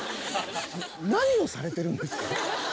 何をされてるんですか？